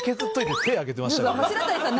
柱谷さん